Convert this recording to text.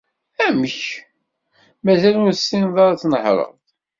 Amek...? Mazal ur tessineḍ ad tnehreḍ?